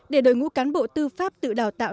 để đội ngũ cán bộ tư pháp tự đào tạo